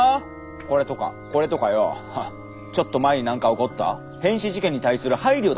これとかこれとかよォちょっと前になんか起こった変死事件に対する「配慮」だ